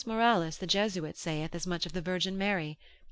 Morales the Jesuit saith as much of the Virgin Mary.